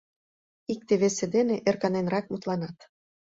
Икте-весе дене ӧрканенрак мутланат...